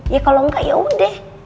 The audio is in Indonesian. ya kalo enggak yaudah